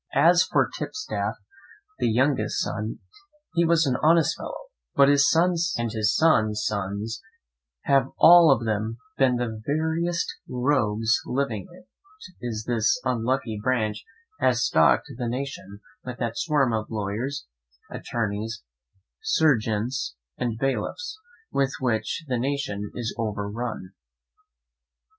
As for Tipstaff, the youngest son, he was an honest fellow; but his sons, and his sons' sons, have all of them been the veriest rogues living; it is this unlucky branch has stocked the nation with that swarm of lawyers, attorneys, serjeants, and bailiffs, with which the nation is overrun.